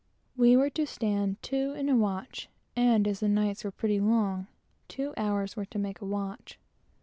We were to stand two in a watch, and as the nights were pretty long, two hours were to make a watch.